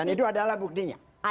dan itu adalah buktinya